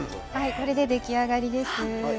これで出来上がりです。